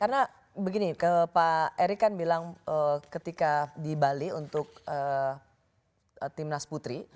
karena begini pak erick kan bilang ketika di bali untuk timnas putri